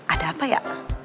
ada apa ya